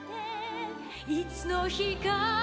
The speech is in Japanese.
「いつの日か」